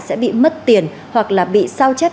sẽ bị mất tiền hoặc là bị sao chép